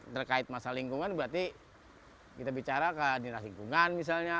terkait masalah lingkungan berarti kita bicara ke dinas lingkungan misalnya